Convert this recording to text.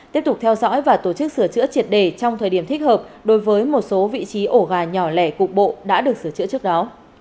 tiếp tục theo dõi và tổ chức sửa chữa triệt đề trong thời điểm thích hợp đối với một số vị trí ổ gà nhỏ lẻ cục bộ đã được sửa chữa trước đó